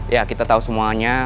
ya kita tahu semuanya